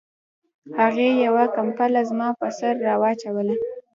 هغې یوه کمپله زما په سر را واچوله